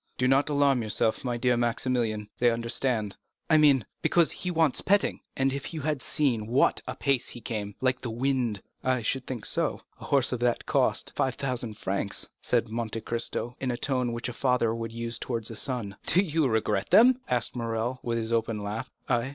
"Do not alarm yourself, my dear Maximilian—they understand." "I mean, because he wants petting. If you had seen at what a pace he came—like the wind!" "I should think so,—a horse that cost 5,000 francs!" said Monte Cristo, in the tone which a father would use towards a son. "Do you regret them?" asked Morrel, with his open laugh. "I?